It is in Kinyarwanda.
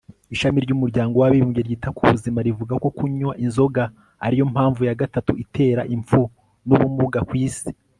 Ishami ryUmuryango wAbibumbye ryita ku Buzima rivuga ko kunywa inzoga ari yo mpamvu ya gatatu itera impfu nubumuga ku isi